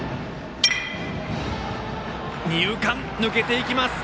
二遊間抜けていきます。